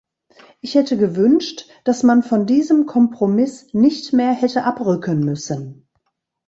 Ich hätte gewünscht, dass man von diesem Kompromiss nicht mehr hätte abrücken müssen.